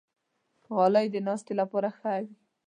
غلۍ د ناستې لپاره ښه وي.